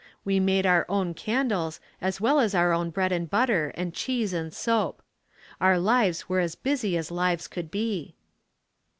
We made our own candles as well as our own bread and butter and cheese and soap. Our lives were as busy as lives could be.